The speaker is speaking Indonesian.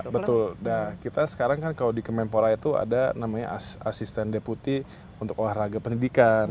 betul kita sekarang kan kalau di kemenpora itu ada namanya asisten deputi untuk olahraga pendidikan